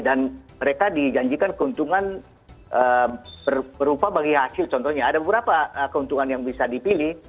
dan mereka dijanjikan keuntungan berupa bagi hasil contohnya ada beberapa keuntungan yang bisa dipilih